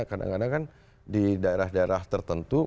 kadang kadang kan di daerah daerah tertentu